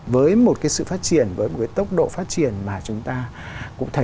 với một cái sự phát triển với một cái tốc độ phát triển mà chúng ta cũng thấy